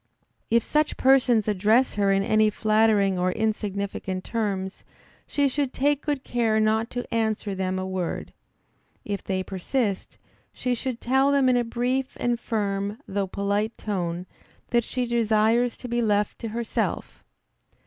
If such persons address her in any flattering or insignificant terms, she should take good care not to answer them a word. If they persist, she should tell them in a brief and firm, though polite tone, that she desires to be left to herself.